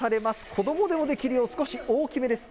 子どもでもできるよう、少し大きめです。